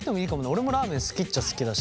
俺もラーメン好きっちゃ好きだし。